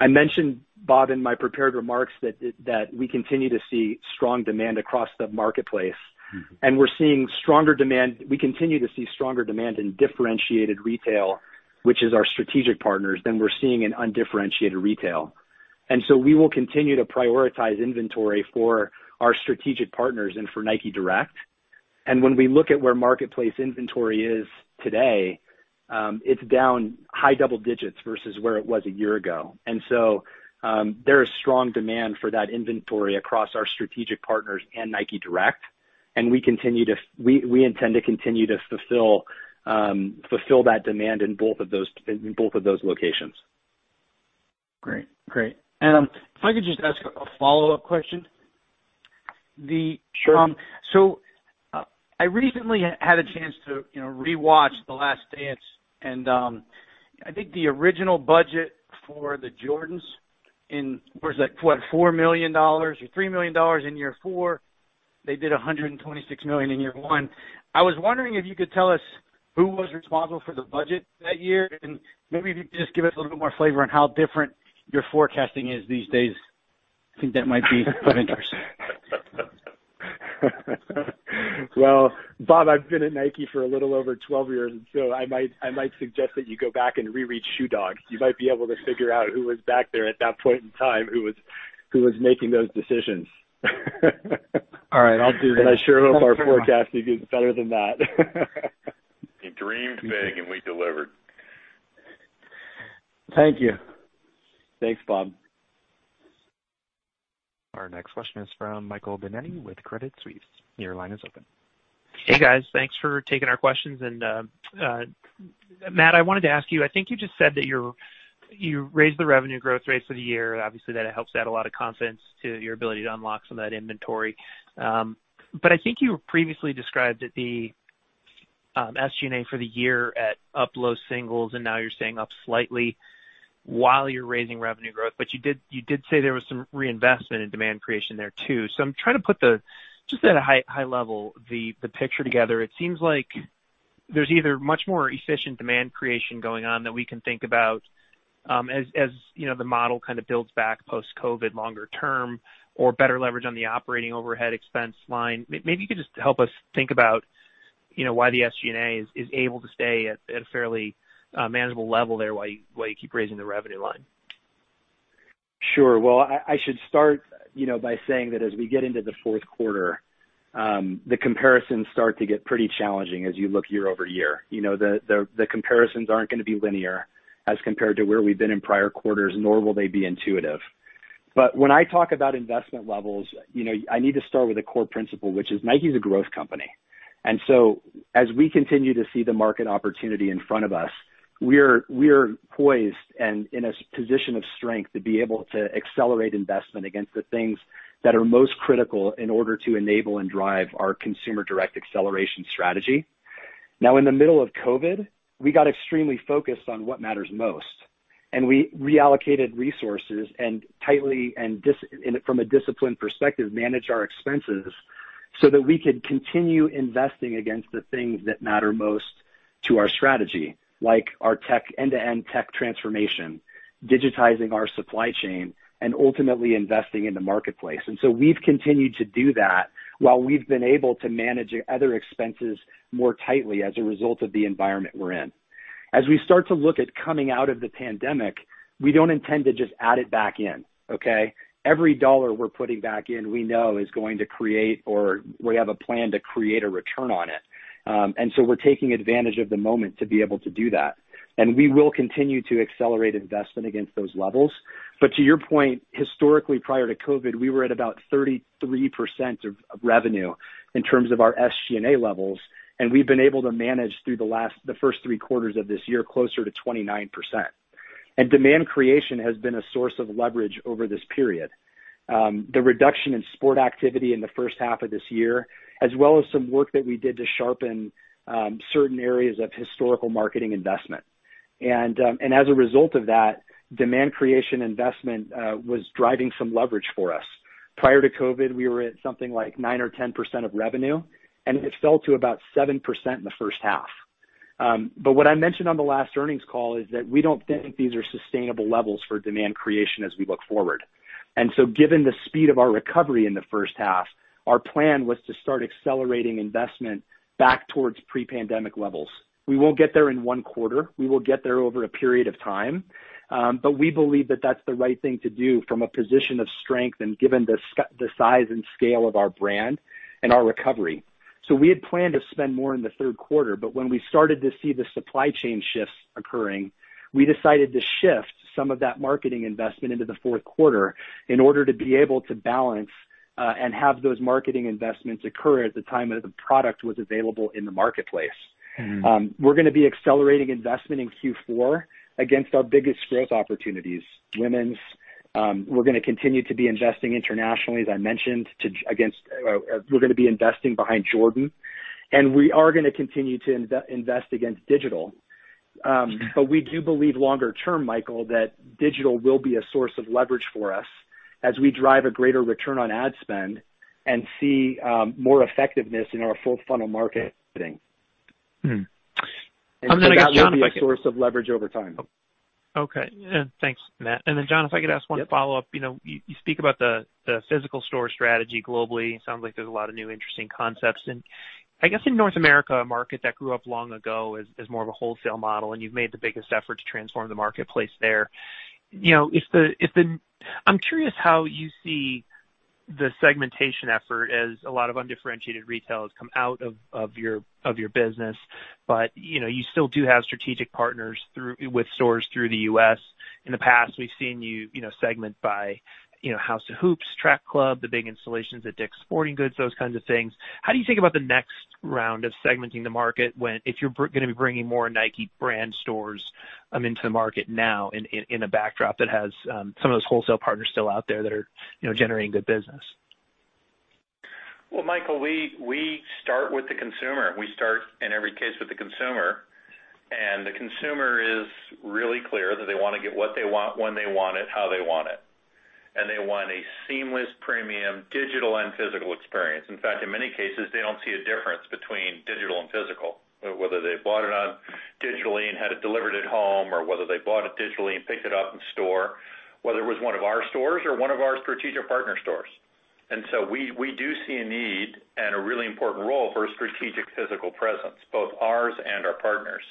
I mentioned, Bob, in my prepared remarks that we continue to see strong demand across the marketplace. We continue to see stronger demand in differentiated retail, which is our strategic partners, than we're seeing in undifferentiated retail. We will continue to prioritize inventory for our strategic partners and for Nike Direct. When we look at where marketplace inventory is today, it's down high double digits versus where it was a year ago. There is strong demand for that inventory across our strategic partners and Nike Direct, and we intend to continue to fulfill that demand in both of those locations. Great. If I could just ask a follow-up question? Sure. I recently had a chance to re-watch "The Last Dance," and I think the original budget for the Jordans was like, what, $4 million or $3 million in year four. They did $126 million in year one. I was wondering if you could tell us who was responsible for the budget that year, and maybe if you could just give us a little bit more flavor on how different your forecasting is these days. I think that might be of interest. Well, Bob, I've been at Nike for a little over 12 years, and so I might suggest that you go back and re-read "Shoe Dog." You might be able to figure out who was back there at that point in time, who was making those decisions. All right, I'll do that. I sure hope our forecasting is better than that. We dreamed big, and we delivered. Thank you. Thanks, Bob. Our next question is from Michael Binetti with Credit Suisse. Your line is open. Hey, guys. Thanks for taking our questions. Matt, I wanted to ask you, I think you just said that you raised the revenue growth rates for the year. Obviously, that helps add a lot of confidence to your ability to unlock some of that inventory. I think you previously described that the SG&A for the year at up low singles, and now you're saying up slightly while you're raising revenue growth. You did say there was some reinvestment in demand creation there too. I'm trying to put the, just at a high level, the picture together. It seems like there's either much more efficient demand creation going on that we can think about as the model kind of builds back post-COVID longer term or better leverage on the operating overhead expense line. Maybe you could just help us think about why the SG&A is able to stay at a fairly manageable level there while you keep raising the revenue line. Well, I should start by saying that as we get into the Q4, the comparisons start to get pretty challenging as you look year-over-year. The comparisons aren't going to be linear as compared to where we've been in prior quarters, nor will they be intuitive. When I talk about investment levels, I need to start with a core principle, which is Nike's a growth company. As we continue to see the market opportunity in front of us, we're poised and in a position of strength to be able to accelerate investment against the things that are most critical in order to enable and drive our Consumer Direct Acceleration strategy. Now, in the middle of COVID, we got extremely focused on what matters most. We reallocated resources and tightly, from a disciplined perspective, managed our expenses so that we could continue investing against the things that matter most to our strategy, like our end-to-end tech transformation, digitizing our supply chain, and ultimately investing in the marketplace. We've continued to do that while we've been able to manage other expenses more tightly as a result of the environment we're in. As we start to look at coming out of the pandemic, we don't intend to just add it back in. Okay? Every dollar we're putting back in, we know is going to create, or we have a plan to create a return on it. We're taking advantage of the moment to be able to do that. We will continue to accelerate investment against those levels. To your point, historically, prior to COVID, we were at about 33% of revenue in terms of our SG&A levels, and we've been able to manage through the first three quarters of this year, closer to 29%. Demand creation has been a source of leverage over this period. The reduction in sport activity in the H1 of this year, as well as some work that we did to sharpen certain areas of historical marketing investment. As a result of that, demand creation investment was driving some leverage for us. Prior to COVID, we were at something like nine or 10% of revenue, and it fell to about 7% in H1. What I mentioned on the last earnings call is that we don't think these are sustainable levels for demand creation as we look forward. Given the speed of our recovery in H1, our plan was to start accelerating investment back towards pre-pandemic levels. We won't get there in one quarter. We will get there over a period of time. We believe that that's the right thing to do from a position of strength and given the size and scale of our brand and our recovery. We had planned to spend more in the Q3, but when we started to see the supply chain shifts occurring, we decided to shift some of that marketing investment into the Q4 in order to be able to balance and have those marketing investments occur at the time that the product was available in the marketplace. We're going to be accelerating investment in Q4 against our biggest growth opportunities, women's. We're going to continue to be investing internationally, as I mentioned. We're going to be investing behind Jordan, and we are going to continue to invest against digital. We do believe longer term, Michael, that digital will be a source of leverage for us as we drive a greater return on ad spend and see more effectiveness in our full funnel marketing. John- That will be a source of leverage over time. Okay. Thanks, Matt. Then John, if I could ask one follow-up. Yep. You speak about the physical store strategy globally. It sounds like there's a lot of new, interesting concepts. I guess in North America, a market that grew up long ago is more of a wholesale model, and you've made the biggest effort to transform the marketplace there. I'm curious how you see the segmentation effort as a lot of undifferentiated retailers come out of your business. You still do have strategic partners with stores through the U.S. In the past, we've seen you segment by House of Hoops, Track Club, the big installations at Dick's Sporting Goods, those kinds of things. How do you think about the next round of segmenting the market if you're going to be bringing more Nike brand stores into the market now in a backdrop that has some of those wholesale partners still out there that are generating the business? Well, Michael, we start with the consumer. We start, in every case, with the consumer. The consumer is really clear that they want to get what they want when they want it, how they want it. They want a seamless premium digital and physical experience. In fact, in many cases, they don't see a difference between digital and physical, whether they bought it on digitally and had it delivered at home, or whether they bought it digitally and picked it up in store. Whether it was one of our stores or one of our strategic partner stores. We do see a need and a really important role for a strategic physical presence, both ours and our partners.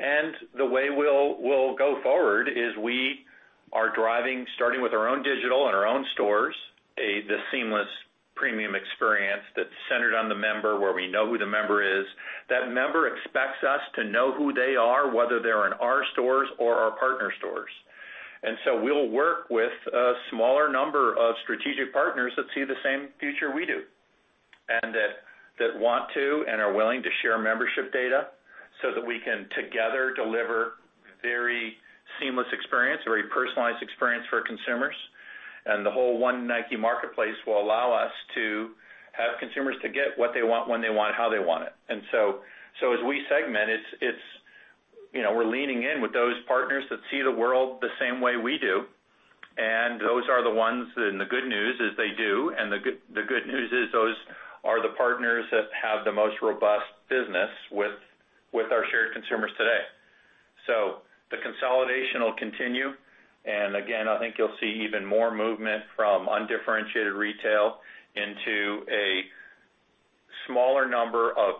The way we'll go forward is we are driving, starting with our own digital and our own stores, the seamless premium experience that's centered on the member, where we know who the member is. That member expects us to know who they are, whether they're in our stores or our partner stores. We'll work with a smaller number of strategic partners that see the same future we do, and that want to and are willing to share membership data so that we can together deliver very seamless experience, very personalized experience for consumers. The whole One Nike Marketplace will allow us to have consumers to get what they want when they want it, how they want it. As we segment, we're leaning in with those partners that see the world the same way we do, and those are the ones, and the good news is they do, and the good news is those are the partners that have the most robust business with our shared consumers today. The consolidation will continue, and again, I think you'll see even more movement from undifferentiated retail into a smaller number of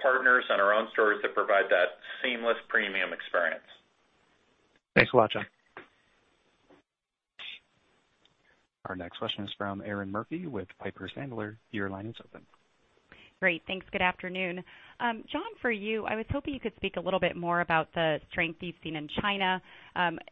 partners and our own stores that provide that seamless premium experience. Thanks a lot, John. Our next question is from Erinn Murphy with Piper Sandler. Your line is open. Great. Thanks. Good afternoon. John, for you, I was hoping you could speak a little bit more about the strength you've seen in China.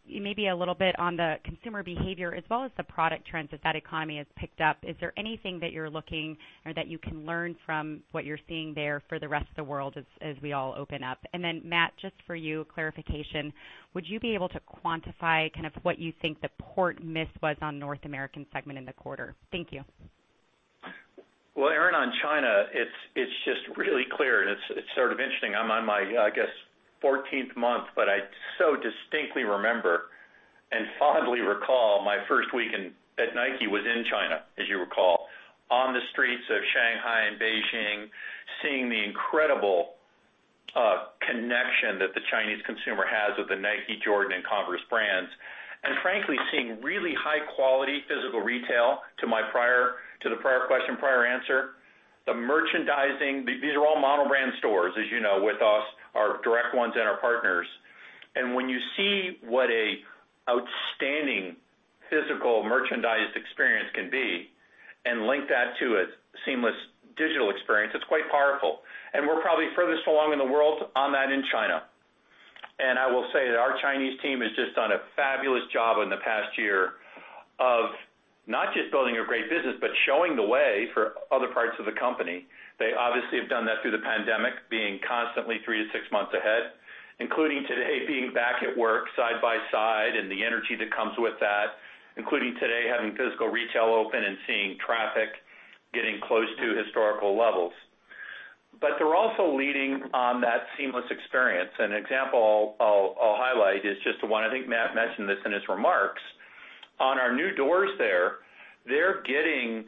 Maybe a little bit on the consumer behavior as well as the product trends as that economy has picked up. Is there anything that you're looking or that you can learn from what you're seeing there for the rest of the world as we all open up? Then Matt, just for you, clarification. Would you be able to quantify what you think the port miss was on North American segment in the quarter? Thank you. Well, Erinn, on China, it's just really clear and it's sort of interesting. On my mind, I guess, 14th month, but I so distinctly remember and fondly recall my first week at Nike was in China, as you recall, on the streets of Shanghai and Beijing, seeing the incredible connection that the Chinese consumer has with the Nike, Jordan, and Converse brands. Frankly, seeing really high quality physical retail to the prior question, prior answer. The merchandising, these are all mono brand stores, as you know, with us, our direct ones and our partners. When you see what a outstanding physical merchandise experience can be and link that to a seamless digital experience, it's quite powerful. We're probably furthest along in the world on that in China. I will say that our Chinese team has just done a fabulous job in the past year of not just building a great business, but showing the way for other parts of the company. They obviously have done that through the pandemic, being constantly three to six months ahead, including today, being back at work side by side and the energy that comes with that, including today, having physical retail open and seeing traffic getting close to historical levels. They're also leading on that seamless experience. An example I'll highlight is just the one, I think Matt mentioned this in his remarks. On our new doors there, they're getting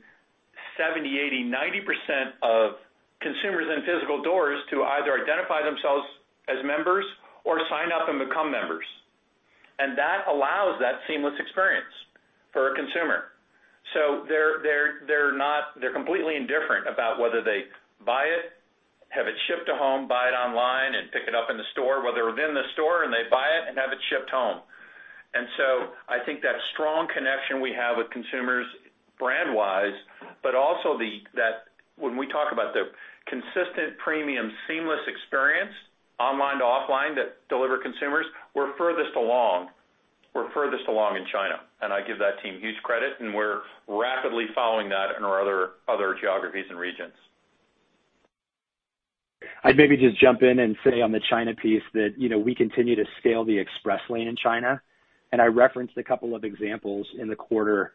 70%, 80%, 90% of consumers in physical doors to either identify themselves as members or sign up and become members. That allows that seamless experience for a consumer. They're completely indifferent about whether they buy it, have it shipped to home, buy it online, and pick it up in the store, whether they're in the store and they buy it and have it shipped home. I think that strong connection we have with consumers brand wise, but also that when we talk about the consistent premium, seamless experience, online to offline that deliver consumers, we're furthest along in China. I give that team huge credit, and we're rapidly following that in our other geographies and regions. I'd maybe just jump in and say on the China piece that we continue to scale the Express Lane in China. I referenced a couple of examples in the quarter,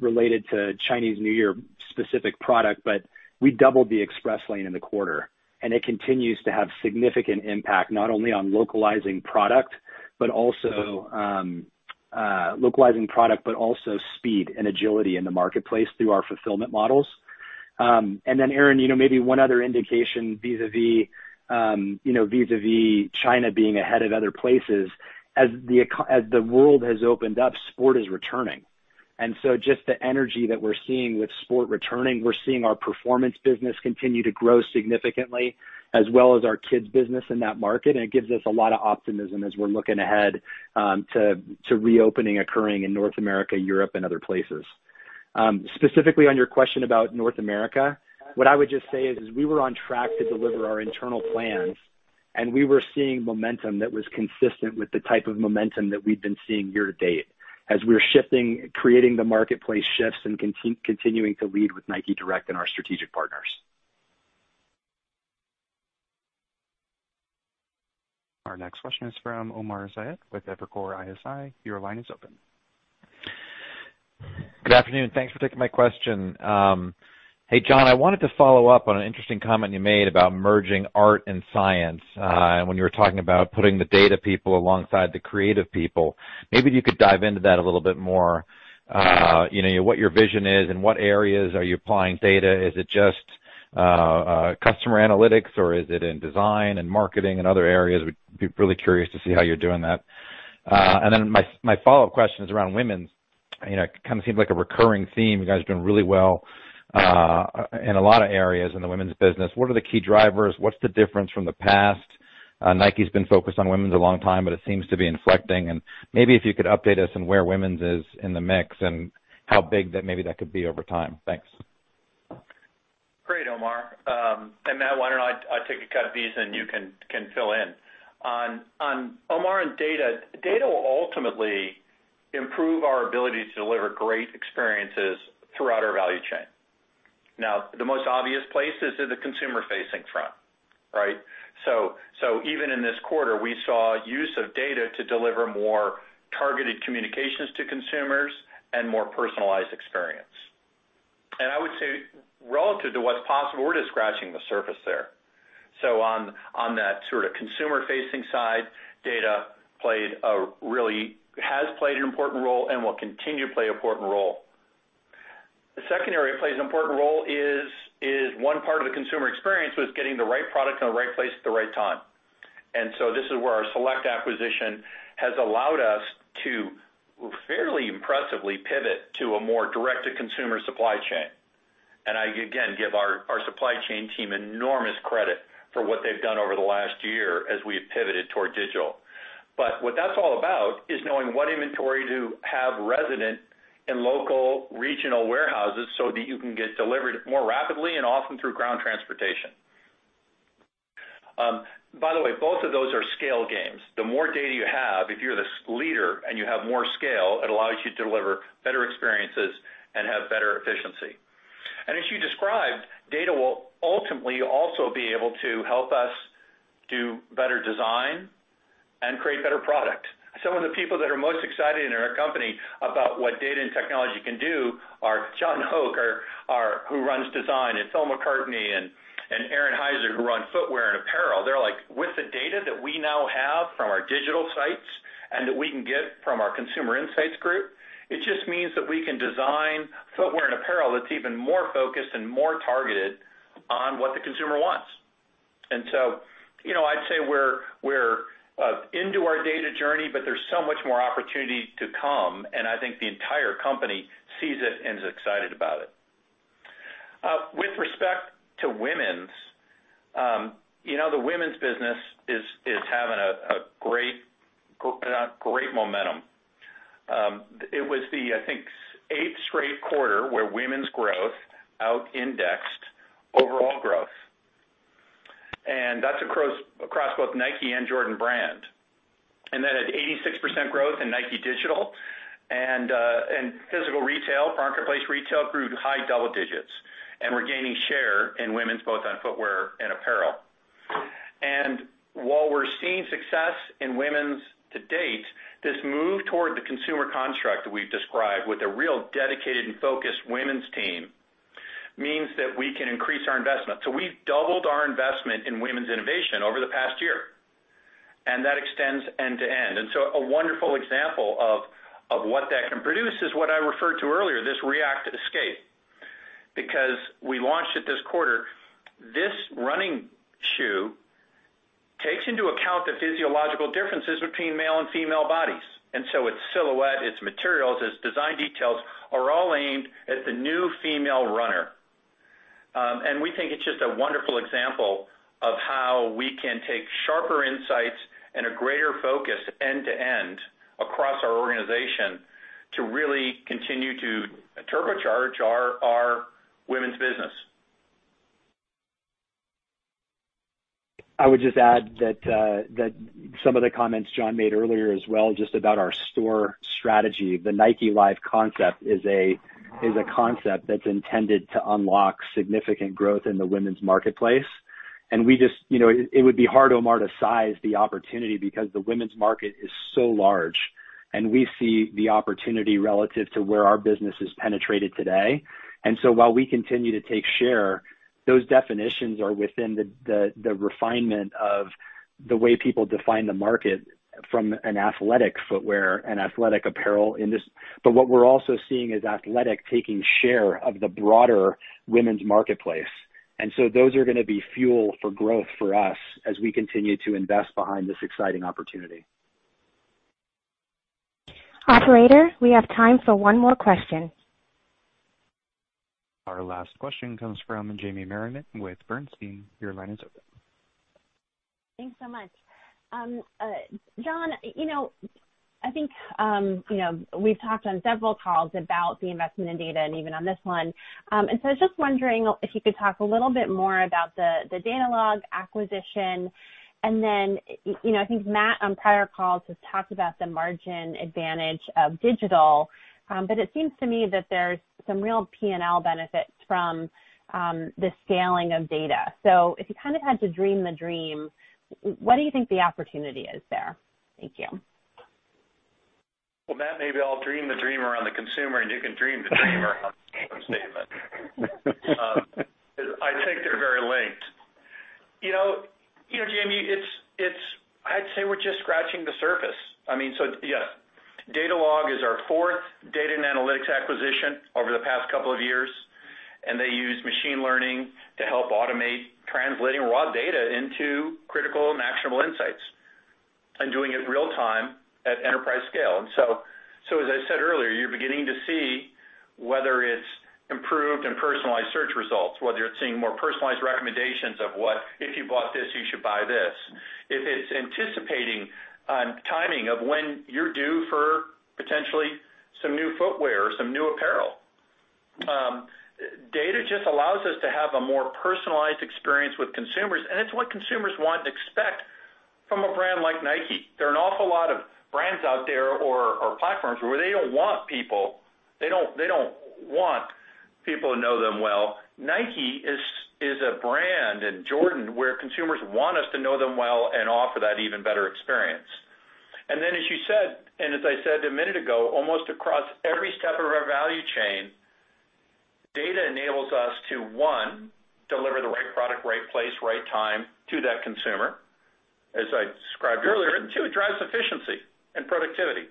related to Chinese New Year specific product, but we doubled the Express Lane in the quarter, and it continues to have significant impact, not only on localizing product, but also speed and agility in the marketplace through our fulfillment models. Then Erinn, maybe one other indication vis-a-vis China being ahead of other places. As the world has opened up, sport is returning. Just the energy that we're seeing with sport returning, we're seeing our performance business continue to grow significantly, as well as our kids business in that market. It gives us a lot of optimism as we're looking ahead to reopening occurring in North America, Europe, and other places. Specifically on your question about North America, what I would just say is we were on track to deliver our internal plans. We were seeing momentum that was consistent with the type of momentum that we've been seeing year to date as we're creating the marketplace shifts and continuing to lead with Nike Direct and our strategic partners. Our next question is from Omar Saad with Evercore ISI. Your line is open. Good afternoon. Thanks for taking my question. Hey, John, I wanted to follow up on an interesting comment you made about merging art and science, when you were talking about putting the data people alongside the creative people. Maybe you could dive into that a little bit more. What your vision is and what areas are you applying data? Is it just customer analytics or is it in design and marketing and other areas? Would be really curious to see how you're doing that. My follow-up question is around women's. Kind of seems like a recurring theme. You guys are doing really well in a lot of areas in the women's business. What are the key drivers? What's the difference from the past? Nike's been focused on women's a long time, but it seems to be inflecting, and maybe if you could update us on where women's is in the mix and how big that maybe that could be over time. Thanks. Great, Omar. Matt, why don't I take a cut of this and you can fill in. Omar, data will ultimately improve our ability to deliver great experiences throughout our value chain. The most obvious place is the consumer-facing front, right? Even in this quarter, we saw use of data to deliver more targeted communications to consumers and more personalized experience. I would say relative to what's possible, we're just scratching the surface there. On that sort of consumer-facing side, data has played an important role and will continue to play an important role. The second area it plays an important role is one part of the consumer experience was getting the right product in the right place at the right time. This is where our Celect acquisition has allowed us to fairly impressively pivot to a more direct-to-consumer supply chain. I, again, give our supply chain team enormous credit for what they've done over the last year as we've pivoted toward digital. What that's all about is knowing what inventory to have resident in local regional warehouses so that you can get delivered more rapidly and often through ground transportation. By the way, both of those are scale games. The more data you have, if you're the leader and you have more scale, it allows you to deliver better experiences and have better efficiency. As you described, data will ultimately also be able to help us do better design and create better product. Some of the people that are most excited in our company about what data and technology can do are John Hoke, who runs design, and Phil McCartney and Aaron Heiser, who run footwear and apparel. They're like, "With the data that we now have from our digital sites and that we can get from our consumer insights group, it just means that we can design footwear and apparel that's even more focused and more targeted on what the consumer wants." I'd say we're into our data journey, but there's so much more opportunity to come, and I think the entire company sees it and is excited about it. With respect to women's, the women's business is having a great momentum. It was the, I think, eighth straight quarter where women's growth out-indexed overall growth. That's across both Nike and Jordan Brand. It had 86% growth in Nike Digital and physical retail. Marketplace retail grew high double digits. We're gaining share in women's, both on footwear and apparel. While we're seeing success in women's to date, this move toward the consumer construct that we've described with a real dedicated and focused women's team means that we can increase our investment. We've doubled our investment in women's innovation over the past year, and that extends end to end. A wonderful example of what that can produce is what I referred to earlier, this React Escape Run, because we launched it this quarter. This running shoe takes into account the physiological differences between male and female bodies, and so its silhouette, its materials, its design details are all aimed at the new female runner. We think it's just a wonderful example of how we can take sharper insights and a greater focus end to end across our organization to really continue to turbocharge our women's business. I would just add that some of the comments John made earlier as well, just about our store strategy, the Nike Live concept is a concept that's intended to unlock significant growth in the women's marketplace. It would be hard, Omar, to size the opportunity because the women's market is so large, and we see the opportunity relative to where our business has penetrated today. While we continue to take share, those definitions are within the refinement of the way people define the market from an athletic footwear and athletic apparel in this. What we're also seeing is athletic taking share of the broader women's marketplace. Those are going to be fuel for growth for us as we continue to invest behind this exciting opportunity. Operator, we have time for one more question. Our last question comes from Jamie Merriman with Bernstein. Thanks so much. John, I think we've talked on several calls about the investment in data and even on this one. I was just wondering if you could talk a little bit more about the Datalogue acquisition. Then, I think Matt, on prior calls, has talked about the margin advantage of digital. It seems to me that there's some real P&L benefits from the scaling of data. If you had to dream the dream, what do you think the opportunity is there? Thank you. Well, Matt, maybe I'll dream the dream around the consumer, and you can dream the dream around the income statement. I think they're very linked. Jamie, I'd say we're just scratching the surface. Yes, Datalogue is our fourth data and analytics acquisition over the past couple of years, and they use machine learning to help automate translating raw data into critical and actionable insights and doing it real time at enterprise scale. As I said earlier, you're beginning to see whether it's improved and personalized search results, whether it's seeing more personalized recommendations of what, if you bought this, you should buy this. If it's anticipating on timing of when you're due for potentially some new footwear or some new apparel. Data just allows us to have a more personalized experience with consumers, and it's what consumers want and expect from a brand like Nike. There are an awful lot of brands out there or platforms where they don't want people to know them well. Nike is a brand, and Jordan, where consumers want us to know them well and offer that even better experience. Then, as you said, and as I said a minute ago, almost across every step of our value chain, data enables us to, one, deliver the right product, right place, right time to that consumer, as I described earlier. Two, it drives efficiency and productivity.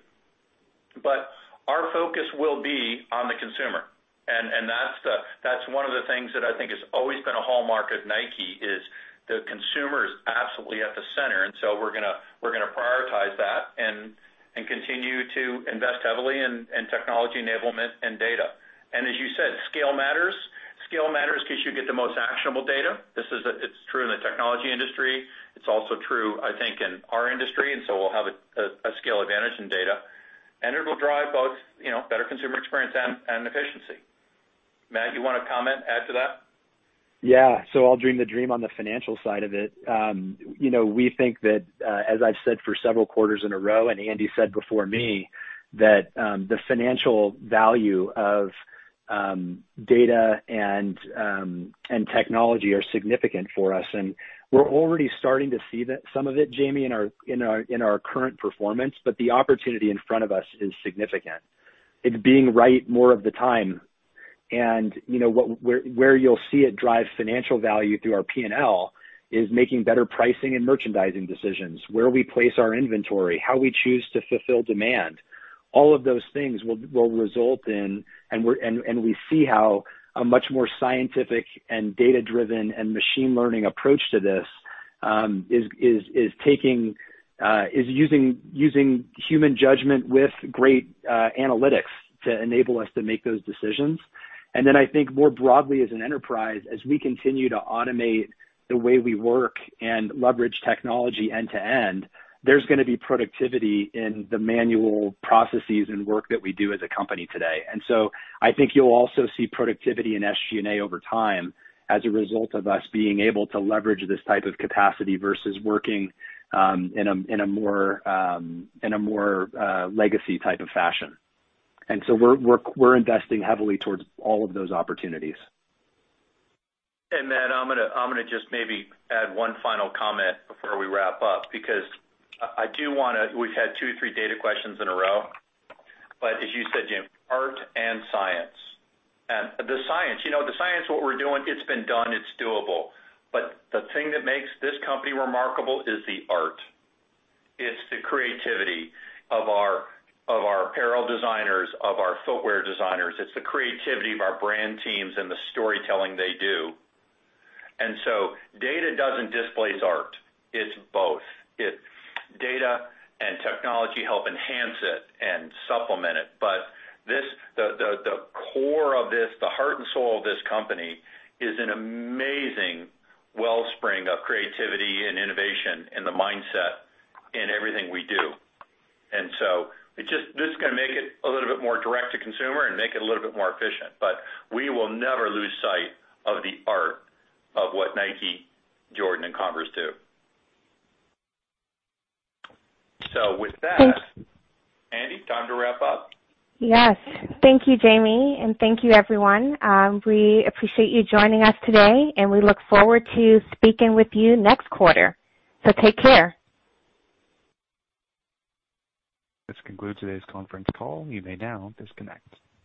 Our focus will be on the consumer, and that's one of the things that I think has always been a hallmark of Nike, is the consumer is absolutely at the center. So we're going to prioritize that and continue to invest heavily in technology enablement and data. As you said, scale matters. Scale matters because you get the most actionable data. It's true in the technology industry. It's also true, I think, in our industry, and so we'll have a scale advantage in data, and it'll drive both better consumer experience and efficiency. Matt, you want to comment, add to that? Yeah. I'll dream the dream on the financial side of it. We think that, as I've said for several quarters in a row, and Andy said before me, that the financial value of data and technology are significant for us. We're already starting to see some of it, Jamie, in our current performance, but the opportunity in front of us is significant. It's being right more of the time. Where you'll see it drive financial value through our P&L is making better pricing and merchandising decisions, where we place our inventory, how we choose to fulfill demand. We see how a much more scientific and data-driven and machine learning approach to this is using human judgment with great analytics to enable us to make those decisions. I think more broadly as an enterprise, as we continue to automate the way we work and leverage technology end to end, there's going to be productivity in the manual processes and work that we do as a company today. I think you'll also see productivity in SG&A over time as a result of us being able to leverage this type of capacity versus working in a more legacy type of fashion. We're investing heavily towards all of those opportunities. Matt, I'm going to just maybe add one final comment before we wrap up. We've had two, three data questions in a row. As you said, Jamie, art and science. The science, what we're doing, it's been done, it's doable. The thing that makes this company remarkable is the art. It's the creativity of our apparel designers, of our footwear designers. It's the creativity of our brand teams and the storytelling they do. Data doesn't displace art. It's both. Data and technology help enhance it and supplement it. The core of this, the heart and soul of this company, is an amazing wellspring of creativity and innovation and the mindset in everything we do. This is going to make it a little bit more direct to consumer and make it a little bit more efficient. We will never lose sight of the art of what Nike, Jordan, and Converse do. Thanks. Andy, time to wrap up. Yes. Thank you, Jamie, and thank you, everyone. We appreciate you joining us today, and we look forward to speaking with you next quarter. Take care. This concludes today's conference call. You may now disconnect.